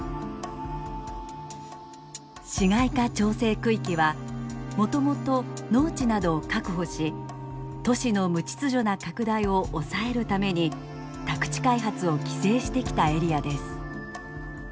市街化調整区域はもともと農地などを確保し都市の無秩序な拡大を抑えるために宅地開発を規制してきたエリアです。